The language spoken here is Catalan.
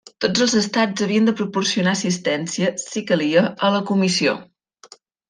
Tots els estats havien de proporcionar assistència, si calia, a la comissió.